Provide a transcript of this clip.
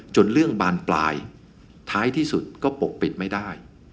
เรื่องบานปลายท้ายที่สุดก็ปกปิดไม่ได้